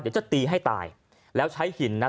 เดี๋ยวจะตีให้ตายแล้วใช้หินนะ